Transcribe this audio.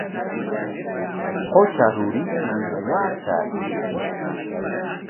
Qutra rurinman waakaa ishkishqa.